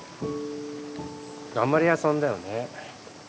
頑張り屋さんだよね。